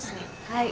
はい。